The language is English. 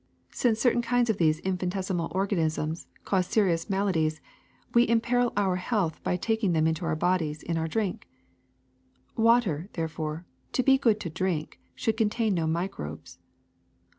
Since certain kinds of these in finitesimal organisms cause serious maladies, we im peril our health by taking them into our bodies in our drink. Water, therefore, to be good to drink, should contain no microbes.